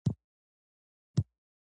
نباتات د لمر له وړانګو انرژي اخلي